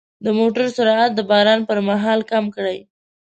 د موټر سرعت د باران پر مهال کم کړئ.